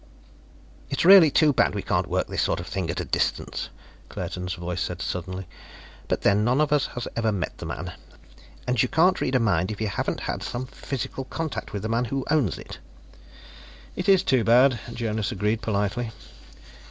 "It's really too bad we can't work this sort of thing at a distance," Claerten's voice said suddenly. "But then, none of us has ever met the man, and you can't read a mind if you haven't had some physical contact with the man who owns it." "It is too bad," Jonas agreed politely.